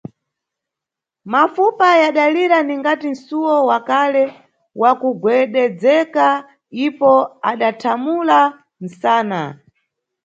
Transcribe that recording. Mafupa yadalira ningati msuwo wa kale wakugwededzeka, ipo adathamula msana.